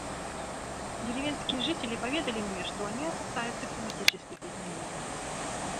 Деревенские жители поведали мне, что они опасаются климатических изменений.